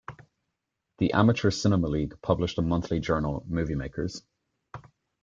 The Amateur Cinema League published a monthly journal, "Movie Makers".